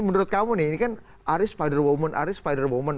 menurut kamu nih ini kan aris spider woman aris spider woman